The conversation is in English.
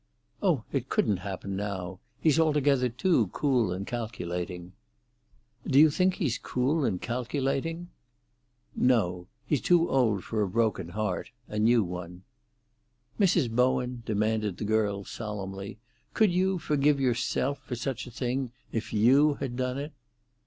"Oh, it couldn't happen now. He's altogether too cool and calculating." "Do you think he's cool and calculating?" "No. He's too old for a broken heart—a new one." "Mrs. Bowen," demanded the girl solemnly, "could you forgive yourself for such a thing if you had done it?"